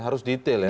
harus detail ya